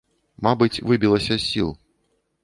Мабыць, выбілася з сіл.